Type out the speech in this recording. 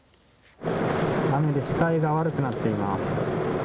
雨で視界が悪くなっています。